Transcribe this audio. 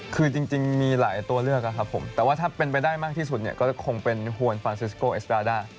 คือจริงมีหลายตัวเลือกครับผมแต่ว่าถ้าเป็นไปได้มากที่สุดเนี่ยก็คงเป็นฮวนฟรานซิสโกเอสกาด้า